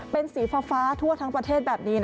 เป็นสีฟ้าทั่วทั้งประเทศแบบนี้